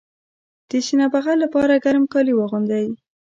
د سینه بغل لپاره ګرم کالي واغوندئ